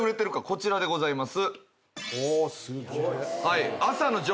こちらでございます。